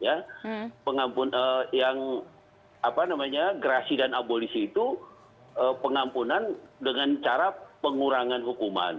ya yang apa namanya gerasi dan abolisi itu pengampunan dengan cara pengurangan hukuman